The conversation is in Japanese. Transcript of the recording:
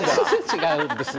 違うんですね。